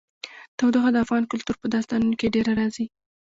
تودوخه د افغان کلتور په داستانونو کې ډېره راځي.